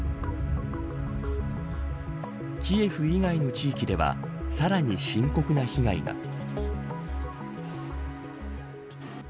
キエフ以外の地域ではさらに深刻な被害が。